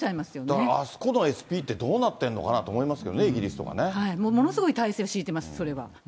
だからあそこのＳＰってどうなってんのかなって思いますけどものすごい体制を敷いてます、それは。